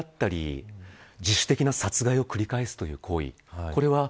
こうした略奪であったり自主的な殺害を繰り返すという行為